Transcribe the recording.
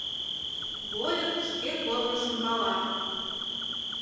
Вольык шке корныжым пала.